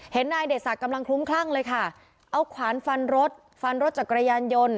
นายเดชศักดิ์กำลังคลุ้มคลั่งเลยค่ะเอาขวานฟันรถฟันรถจักรยานยนต์